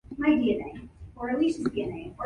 Tony Hawk starred in this episode.